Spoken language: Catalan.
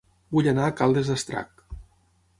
Vull anar a Caldes d'Estrac